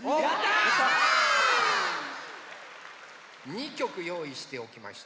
２きょくよういしておきました。